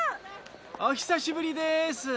おひさしぶりです。